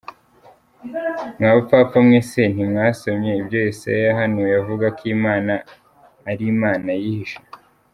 Mwa bapfapfa mwe se, ntimwasomye ibyo Yesaya yahanuye avuga ko Imana ari Imana yihisha!